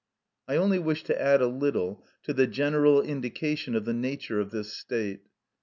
I only wish to add a little to the general indication of the nature of this state.